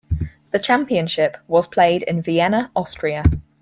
The Championship was played in Vienna, Austria.